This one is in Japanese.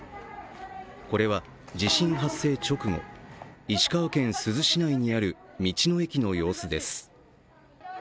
これは地震発生直後、石川県珠洲市内にある道の駅の様子です。